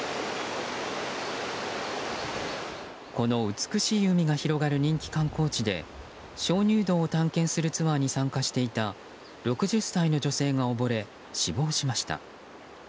この美しい海が広がる人気観光地で鍾乳洞を探検するツアーに参加していた６０歳の女性が溺れ死亡しました。